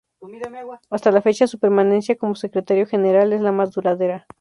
Hasta la fecha su permanencia como Secretario General es la más duradera.